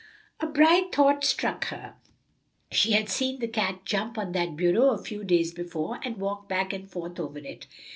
A bright thought struck her. She had seen the cat jump on that bureau a few days before and walk back and forth over it.